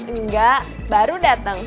enggak baru dateng